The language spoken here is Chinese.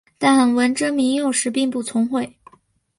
但文征明幼时并不聪慧。